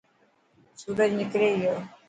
سورج نڪري گيو.